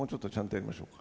やりましょう。